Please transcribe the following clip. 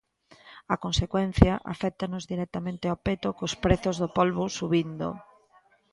A consecuencia aféctanos directamente ao peto cos prezos do polbo subindo.